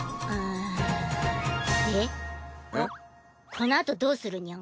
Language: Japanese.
このあとどうするニャン？